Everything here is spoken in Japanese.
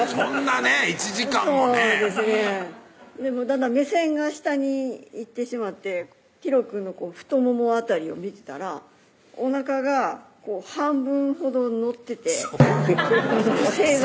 だんだん目線が下に行ってしまってひろくんの太もも辺りを見てたらおなかが半分ほど乗っててそんなに？